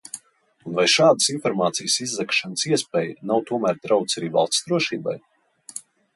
Un vai šādas informācijas izzagšanas iespēja nav tomēr drauds arī valsts drošībai?